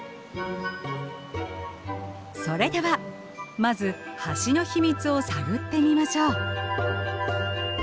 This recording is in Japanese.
それではまず橋の秘密を探ってみましょう。